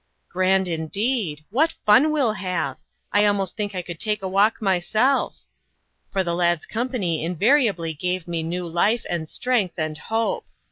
"Grand, indeed. What fun we'll have! I almost think I could take a walk myself." For the lad's company invariably gave me new life, and strength, and hope.